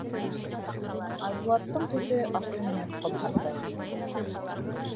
Айбулаттың төҫө асыу менән ҡомһарҙы.